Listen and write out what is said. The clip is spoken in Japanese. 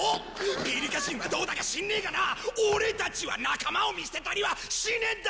ピリカ人はどうだか知んねえがなオレたちは仲間を見捨てたりはしねえんだ！